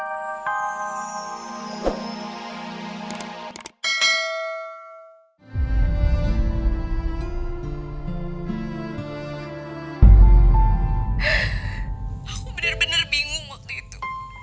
bener bener bingung waktu itu